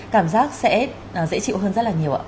cảm giác sẽ dễ chịu hơn rất là nhiều ạ